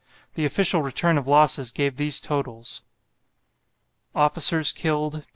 The official return of losses gave these totals: Killed.